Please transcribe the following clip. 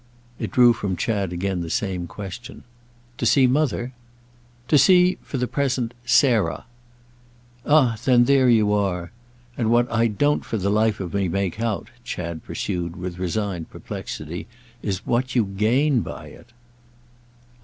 It drew from Chad again the same question. "To see Mother?" "To see—for the present—Sarah." "Ah then there you are! And what I don't for the life of me make out," Chad pursued with resigned perplexity, "is what you gain by it."